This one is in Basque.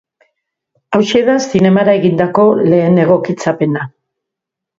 Hauxe da zinemara egindako lehen egokitzapena.